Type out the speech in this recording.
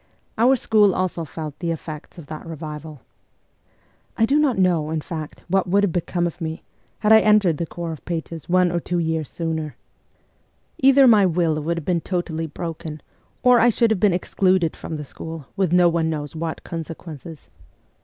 Our school also felt the effects of that revival. I do not know, in fact, what would have become of me, had I entered the corps of pages one or two years sooner. Either my will would have been totally broken, or I should have been excluded from the school with no one knows what 86 MEMOIRS OF A REVOLUTIONIST consequences.